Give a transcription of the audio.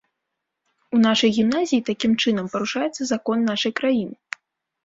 У нашай гімназіі, такім чынам, парушаецца закон нашай краіны.